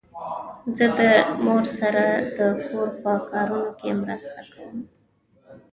زه د مور سره د کور په کارونو کې مرسته کوم.